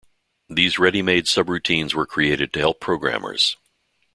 These ready-made subroutines were created to help programmers.